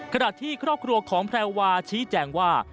ขณะที่ครอบครัวของแพรวาชี้แจงว่า